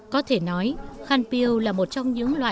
có thể nói khăn piêu là một trong những loại hoa văn